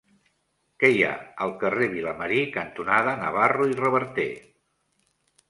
Què hi ha al carrer Vilamarí cantonada Navarro i Reverter?